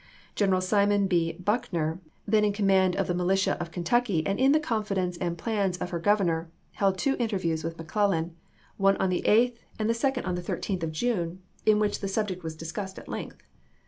General Simon B. Buckner, then in command of the militia of Ken tucky and in the confidence and plans of her Gov ernor, held two interviews with McClellan, one on the 8th and the second on the 13th of June, in which the subject was discussed at length.